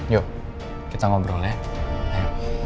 yuk kita ngobrol ya